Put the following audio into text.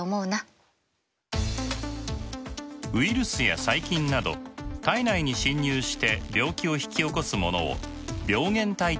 ウイルスや細菌など体内に侵入して病気を引き起こすものを病原体といいます。